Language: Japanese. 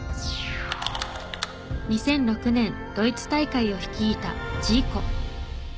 ２００６年ドイツ大会を率いたジーコ。